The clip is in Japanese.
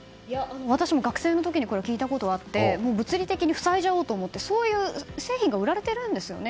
私も学生の時にこれは聞いたことがあって物理的に塞いじゃおうと思ってそういう製品が売られているんですよね。